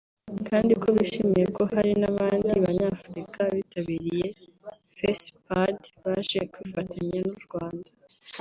kandi ko bishimiye ko hari n’abandi Banyafurika bitabiriye Fespad baje kwifatanya n’u Rwanda